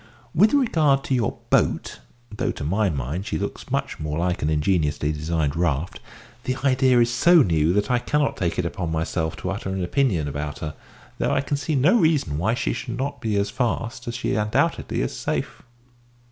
With regard to your `boat' (though to my mind she looks much more like an ingeniously designed raft), the idea is so new that I cannot take it upon myself to utter an opinion about her, though I can see no reason why she should not be as fast as she undoubtedly is safe."